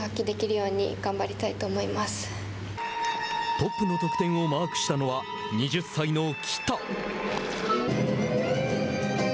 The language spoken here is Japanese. トップの得点をマークしたのは２０歳の喜田。